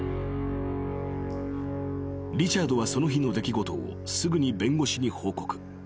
［リチャードはその日の出来事をすぐに弁護士に報告］